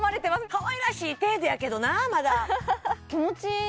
かわいらしい程度やけどな気持ちいい！